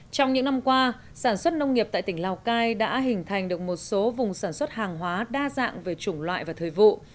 trong những năm qua sản xuất nông nghiệp tại tỉnh lào cai đã hình thành được một số vùng sản xuất hàng hóa đa dạng về chủng loại và thời vụ